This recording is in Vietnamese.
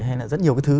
hay là rất nhiều cái thứ